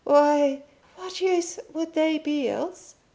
"Why, what use would they be else?"